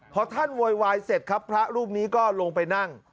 พอท่านโวยวายเสร็จครับพระรูปนี้ก็ลงไปนั่ง